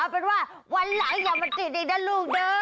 ติดเต็มเลยติดทำนั้น